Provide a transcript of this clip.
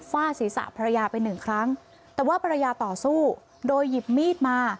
ฝ่าศีรษะภรรยาไปหนึ่งครั้งแต่ว่าภรรยาต่อสู้โดยหยิบมีดมา